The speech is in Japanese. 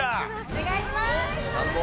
お願いします！